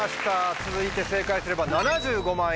続いて正解すれば７５万円。